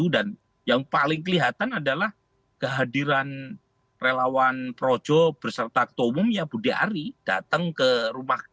dan yang paling kelihatan adalah kehadiran relawan projek berserta kode umumnya budi ari datang ke rumah ke dua